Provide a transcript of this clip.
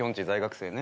生ね。